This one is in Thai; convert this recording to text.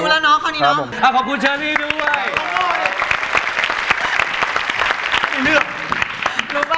รู้แล้วตอนนี้ของการคุมเชิง